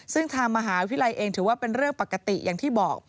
ซึ่งทางมหาวิทยาลัยเองถือว่าเป็นเรื่องปกติอย่างที่บอก